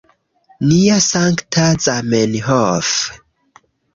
Nia sankta Zamenhof